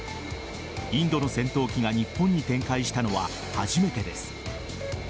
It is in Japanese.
インドの戦闘機が日本に展開したのは初めてです。